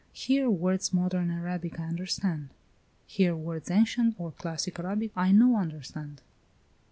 "Here words modern Arabic I understand. Here words ancient, or classic Arabic I no understand."